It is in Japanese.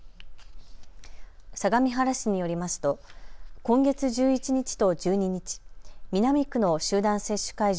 相模原市によりますと今月１１日と１２日、南区の集団接種会場